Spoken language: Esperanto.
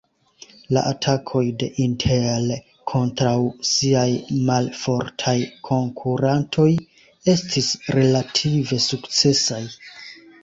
La atakoj de Intel kontraŭ siaj malfortaj konkurantoj estis relative sukcesaj.